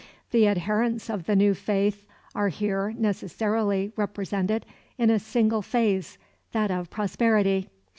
The adherents of the new faith are here necessarily represented in a single phase, that of prosperity.